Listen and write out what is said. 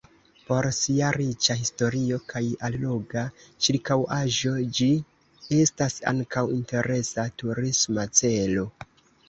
Por sia riĉa historio kaj alloga ĉirkaŭaĵo ĝi estas ankaŭ interesa turisma celo.